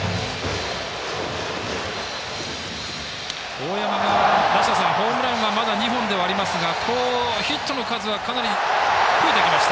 大山、ホームランまだ２本ではありますがヒットの数はかなり増えてきました。